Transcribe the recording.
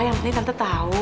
yang penting tante tau